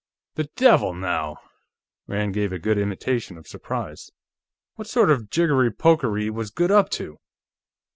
"The devil, now!" Rand gave a good imitation of surprise. "What sort of jiggery pokery was Goode up to?"